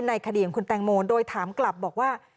คดีของคุณแตงโมโดยถามกลับบอกว่า